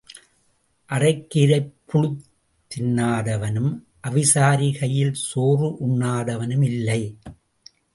அறைக் கீரைப் புழுத் தின்னாதவனும் அவிசாரி கையில் சோறு உண்ணாதவனும் இல்லை.